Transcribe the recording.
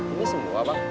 ini semua bang